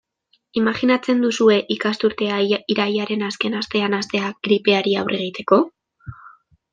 Imajinatzen duzue ikasturtea irailaren azken astean hastea gripeari aurre egiteko?